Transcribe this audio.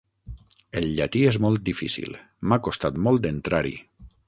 El llatí és molt difícil: m'ha costat molt d'entrar-hi.